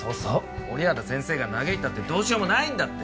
折原先生が嘆いたってどうしようもないんだって。